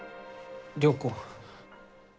良子。